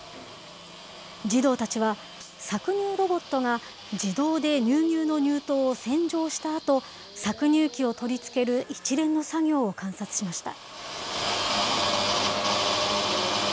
児童たちは、搾乳ロボットが自動で乳牛の乳頭を洗浄したあと、搾乳機を取り付ける一連の作業を観察しました。